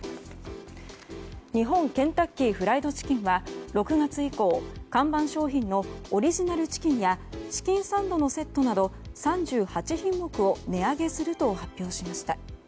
日本ケンタッキー・フライド・チキンは６月以降、看板商品のオリジナルチキンやチキンサンドのセットなど３８品目を値上げすると発表しました。